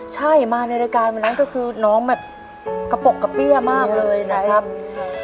ใช่มาในรายการวันนั้นก็คือน้องแบบกระปกกระเปี้ยมากเลยนะครับ